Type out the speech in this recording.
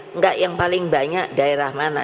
enggak yang paling banyak daerah mana